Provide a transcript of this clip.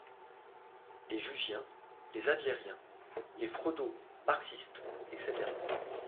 Les jungiens, les adlériens, les freudo-marxistes, etc.